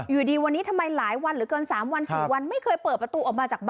อยุดิวันนี้ทำไมหลายวันหรือเกิน๓๔วันไม่คอยเปิดประตู